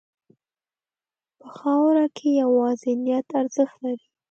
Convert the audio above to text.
په خاوره کې یوازې نیت ارزښت لري.